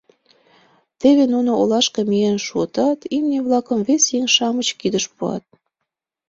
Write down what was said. Теве нуно олашке миен шуытат, имне-влакым вес еҥ-шамыч кидыш пуат.